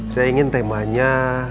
saya ingin temanya